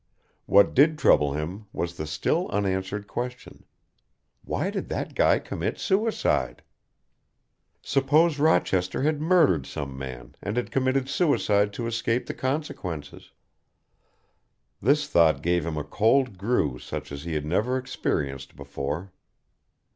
What did trouble him was the still unanswered question, "Why did that guy commit suicide?" Suppose Rochester had murdered some man and had committed suicide to escape the consequences? This thought gave him a cold grue such as he had never experienced before.